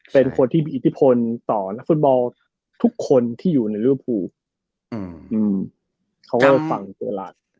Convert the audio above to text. เป็นคนที่มีอิทธิพลต่อและฟุตบอลทุกคนที่อยู่ในเรื้อภูเขาว่าฝั่งเจอร์หลาด